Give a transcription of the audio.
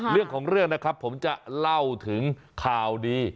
เรื่องของเรื่องนะครับผมจะเล่าถึงข่าวดี